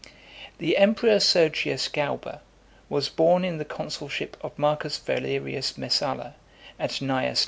IV. The emperor Sergius Galba was born in the consulship of M. Valerius Messala, and Cn.